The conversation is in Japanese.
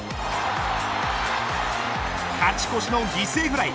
勝ち越しの犠牲フライ。